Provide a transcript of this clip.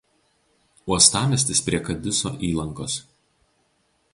Uostamiestis prie Kadiso įlankos.